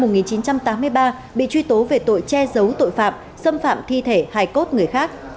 vợ năng là vũ thị mừng sinh năm một nghìn chín trăm tám mươi ba bị truy tố về tội che giấu tội phạm xâm phạm thi thể hải cốt người khác